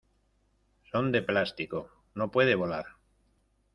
Son de plástico. No puede volar .